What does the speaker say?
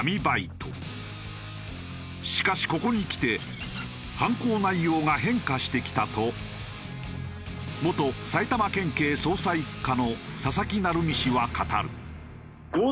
しかしここにきて犯行内容が変化してきたと元埼玉県警捜査一課の佐々木成三氏は語る。